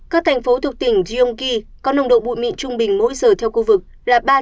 các thành phố thuộc tỉnh gyeonggi có nồng độ bụi mịn trung bình mỗi giờ theo khu vực là